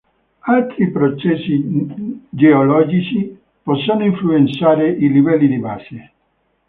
Altri processi geologici possono influenzare i livelli di base.